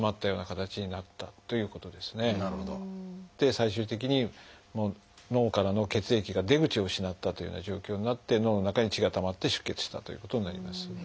最終的に脳からの血液が出口を失ったというような状況になって脳の中に血がたまって出血したということになります。